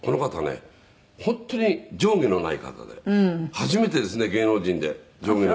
「初めてですね芸能人で上下のない人って」